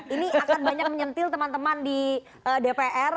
ini akan banyak menyentil teman teman di dpr